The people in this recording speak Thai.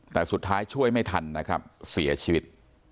แต่สุดท้ายช่วยไม่ทันนะครับเสียชีวิต